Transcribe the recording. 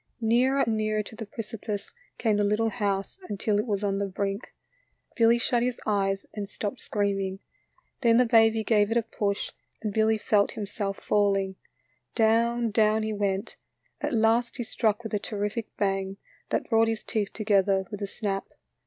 Nearer and nearer to the precipice came the little house until it was on the brink. Billy shut his eyes and stopped screaming. Then the baby gave 74 THE LITTLE FORESTERS. it a push and Billy felt himself falling. Down, down he went, at last he struck with a terrific bang that brought his teeth together with a snap.